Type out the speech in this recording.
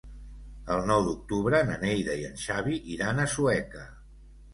El nou d'octubre na Neida i en Xavi iran a Sueca.